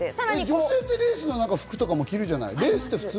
女性ってレースの服って着るじゃない？